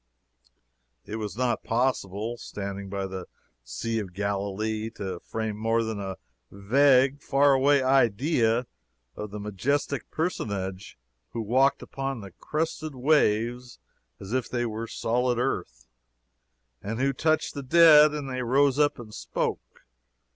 It was not possible, standing by the Sea of Galilee, to frame more than a vague, far away idea of the majestic Personage who walked upon the crested waves as if they had been solid earth, and who touched the dead and they rose up and spoke.